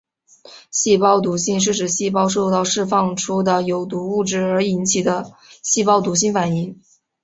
细胞毒性是指细胞受到释放出的有毒物质而引起的细胞毒性反应。